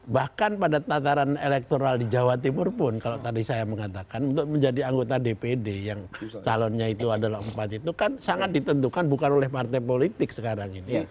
bahkan pada tataran elektoral di jawa timur pun kalau tadi saya mengatakan untuk menjadi anggota dpd yang calonnya itu adalah empat itu kan sangat ditentukan bukan oleh partai politik sekarang ini